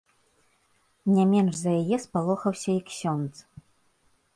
Не менш за яе спалохаўся і ксёндз.